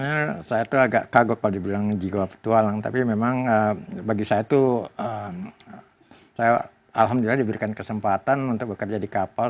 sebenarnya saya tuh agak kaguk kalau dibilang jiwa petualang tapi memang bagi saya tuh saya alhamdulillah diberikan kesempatan untuk bekerja di kapal